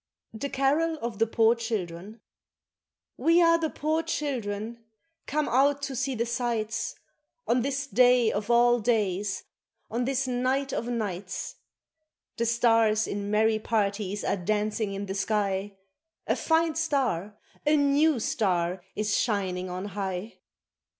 THE CAROL OF THE POOR CHILDREN WE are the poor children, come out to see the sights On this day of all days, on this night of nights, The stars in merry parties are dancing in the sky, A fine star, a new star, is shining on high